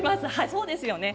そうですよね。